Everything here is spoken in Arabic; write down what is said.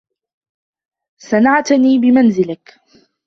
سنعتني بمنزلك.